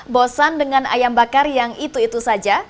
bosan dengan ayam bakar yang itu itu saja